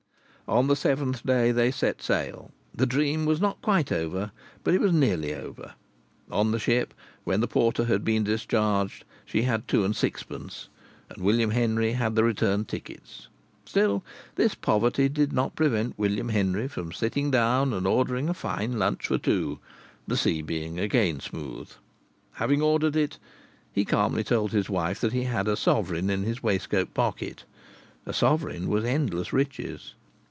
On the seventh day they set sail. The dream was not quite over, but it was nearly over. On the ship, when the porter had been discharged, she had two and twopence, and William Henry had the return tickets. Still, this poverty did not prevent William Henry from sitting down and ordering a fine lunch for two (the sea being again smooth). Having ordered it, he calmly told his wife that he had a sovereign in his waistcoat pocket. A sovereign was endless riches.